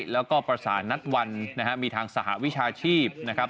แล้วก็ประสานนัดวันนะฮะมีทางสหวิชาชีพนะครับ